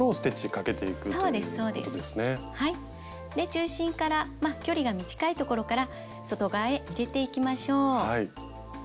中心から距離が短い所から外側へ入れていきましょう。